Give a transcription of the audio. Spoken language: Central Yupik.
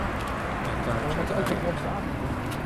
akacakayak